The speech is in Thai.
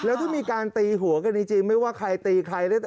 แล้วถ้ามีการตีหัวกันจริงไม่ว่าใครตีใคร